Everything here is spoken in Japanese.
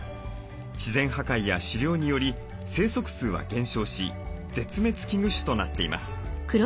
自然破壊や狩猟により生息数は減少し絶滅危惧種となっています。